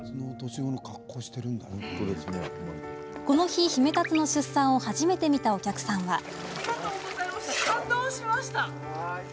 この日、ヒメタツの出産を初めて見たお客さんは。